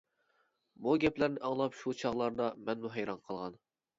بۇ گەپلەرنى ئاڭلاپ شۇ چاغلاردا مەنمۇ ھەيران قالغان.